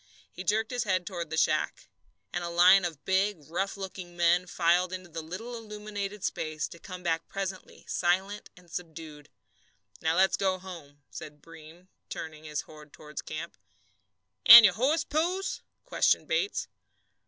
He jerked his head toward the shack. And a line of big, rough looking men filed into the little illumined space, to come back presently silent and subdued. "Now let's go home," said Breem, turning his horse toward camp. "And your horse, Pose?" questioned Bates.